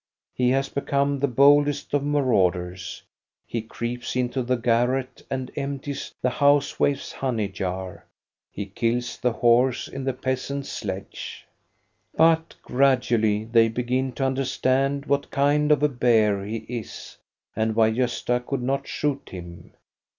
He has become the boldest of maraud ers : he creeps into the garret and empties the house wife's honey jar; he kills the horse in the peasant's sledge. But gradually they begin to understand what kind of a bear he is and why Gosta could not shoot him.